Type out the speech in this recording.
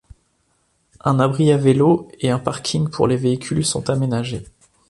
Un abri à vélos et un parking pour les véhicules sont aménagés.